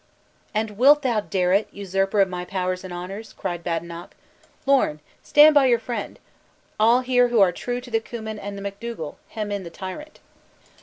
"And wilt thou dare it, usurper of my powers and honors?" cried Badenoch. "Lorn, stand by your friend all here who are true to the Cummin and Macdougal, hem in the tyrant."